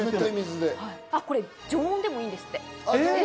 これ、常温でもいいんですって。